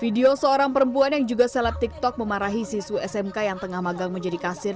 video seorang perempuan yang juga seleb tiktok memarahi siswi smk yang tengah magang menjadi kasir